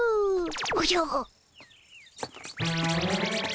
おじゃ？